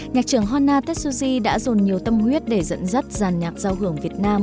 nhạc trưởng honna tetsuji đã dồn nhiều tâm huyết để dẫn dắt giả nhạc giao hưởng việt nam